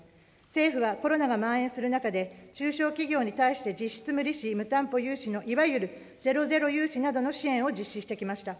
政府はコロナがまん延する中で、中小企業に対して実質無利子・無担保融資のいわゆるゼロゼロ融資などの支援を実施してきました。